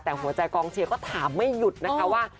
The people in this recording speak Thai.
แต่หัวใจกองเชียร์ก็ถามไม่หยุดนะคะว่า